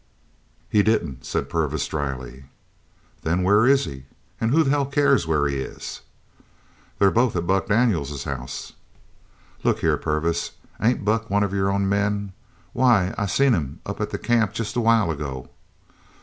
"He didn't," said Purvis drily. "Then where is he? An' who the hell cares where he is?" "They're both at Buck Daniels's house." "Look here, Purvis, ain't Buck one of your own men? Why, I seen him up at the camp jest a while ago!"